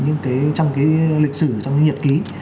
những cái trong cái lịch sử trong những nhiệt ký